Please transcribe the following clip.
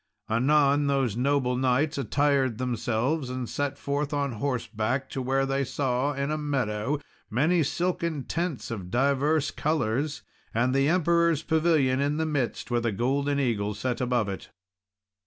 Anon, those noble knights attired themselves and set forth on horseback to where they saw, in a meadow, many silken tents of divers colours, and the Emperor's pavilion in the midst, with a golden eagle set above it.